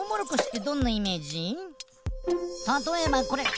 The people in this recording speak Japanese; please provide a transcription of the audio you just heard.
たとえばこれ。